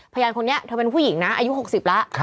พยานคนนี้เธอเป็นผู้หญิงนะอายุ๖๐แล้ว